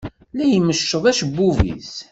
La imecceḍ acebbub-is.